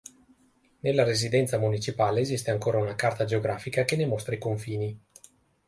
Nella Residenza municipale esiste ancora una carta geografica che ne mostra i confini.